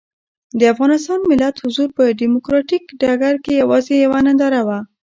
د افغانستان ملت حضور په ډیموکراتیک ډګر کې یوازې یوه ننداره وه.